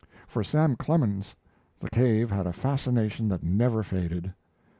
For Sam Clemens the cave had a fascination that never faded.